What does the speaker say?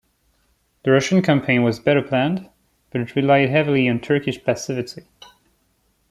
The Russian campaign was better planned, but it relied heavily on Turkish passivity.